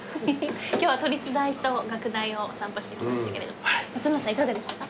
今日は都立大と学大を散歩してきましたけれども松村さんいかがでしたか？